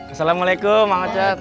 assalamualaikum mang ocat